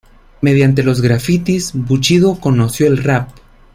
Mediante los grafitis, Bushido conoció el rap.